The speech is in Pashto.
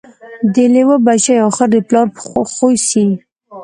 د لېوه بچی آخر د پلار په خوی سي